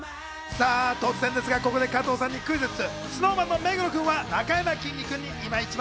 さあ突然ですが、ここで加藤さんにクイズッス。